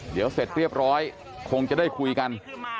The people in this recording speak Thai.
เดี๋ยวเสร็จเรียบร้อยคงจะได้คุยกัน